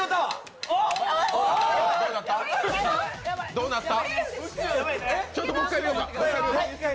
どうなった？